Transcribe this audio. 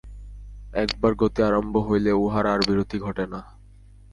একবার গতি আরম্ভ হইলে উহার আর বিরতি ঘটে না।